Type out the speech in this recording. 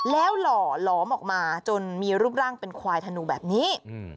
แล้วหล่อหลอมออกมาจนมีรูปร่างเป็นควายธนูแบบนี้